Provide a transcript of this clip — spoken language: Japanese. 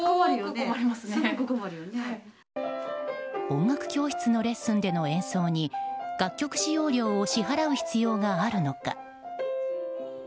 音楽教室のレッスンでの演奏に楽曲使用料を支払う必要があるのか。